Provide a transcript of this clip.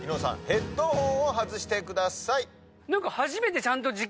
ヘッドホンを外してください。